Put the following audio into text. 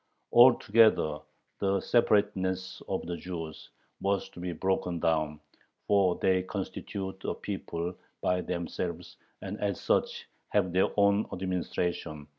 Altogether the separateness of the Jews was to be broken down, for "they constitute a people by themselves, and as such have their own administration